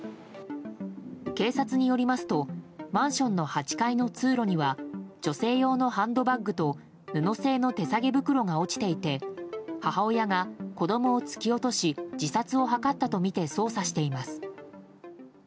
警察によりますとマンションの８階の通路には女性用のハンドバッグと布製の手提げ袋が落ちていて母親が子供を突き落とし自殺を図ったとみて捜査しています。